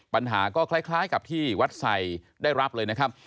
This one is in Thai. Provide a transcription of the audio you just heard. ปัญหาก็คล้ายกับที่วัดไสได้รับเลยนะครับ